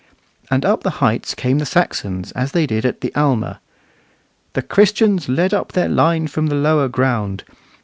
And up the heights came the Saxons, as they did at the Alma. "The Christians led up their line from the lower ground.